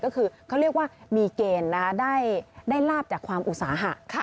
ก็คือเขาเรียกว่ามีเกณฑ์ได้ลาบจากความอุตสาหะ